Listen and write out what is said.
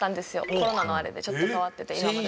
コロナのあれでちょっと変わってて今までと。